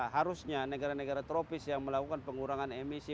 harusnya negara negara tropis yang melakukan pengurangan emisi